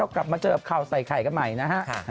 กลับมาเจอกับข่าวใส่ไข่กันใหม่นะฮะ